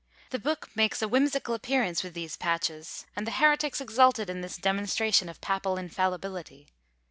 The book makes a whimsical appearance with these patches; and the heretics exulted in this demonstration of papal infallibility!